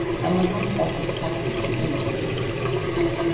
ამაღამ წადით სახლებში მოისვენეთო